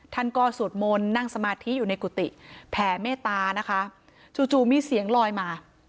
ท่านก็สวดมนต์นั่งสมาธิอยู่ในกุฏิแผ่เมตตานะคะจู่จู่มีเสียงลอยมา